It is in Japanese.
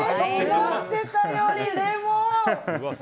思ってたよりレモン！